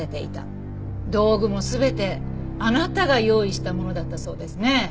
道具も全てあなたが用意したものだったそうですね。